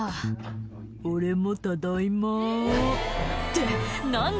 「俺もただいま」って何だ？